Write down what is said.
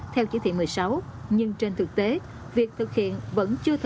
thì chúng ta phải biết cho nó chậm